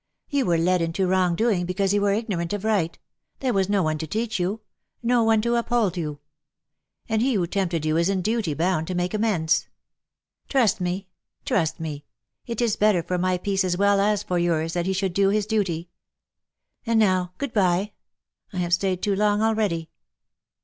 You were led into wrong doing because you were ignorant of right — there was no one to teach you — no one to uphold you. And he who tempted you is in duty bound to make amends. Trust me — trust me — it is better for my peace as well as for yours that he should do his duty. And now good by — I have stayed too long already."